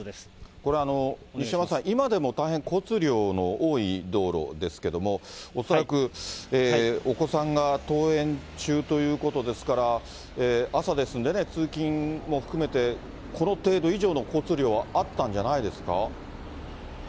これ、西山さん、今でも大変交通量の多い道路ですけれども、恐らくお子さんが登園中ということですから、朝ですんでね、通勤も含めて、この程度以上の交通量はあったんじゃないですか。